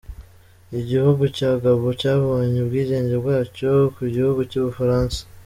Igihugu cya Gabon cyabonye ubwigenge bwacyo ku gihugu cy’ubufaransa.